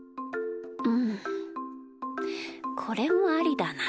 うんこれもありだな。